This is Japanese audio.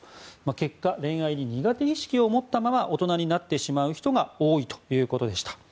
結果、恋愛に苦手意識を持ったまま大人になってしまう人が多いということでした。